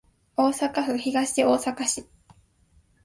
大阪府東大阪市